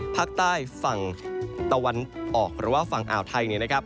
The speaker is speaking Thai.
ภาคใต้ฝั่งตะวันออกหรือว่าฝั่งอ่าวไทย